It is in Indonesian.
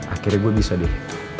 akhirnya gue bisa deh